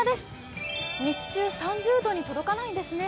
日中、３０度に届かないんですね。